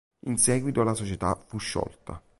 In seguito la società fu sciolta.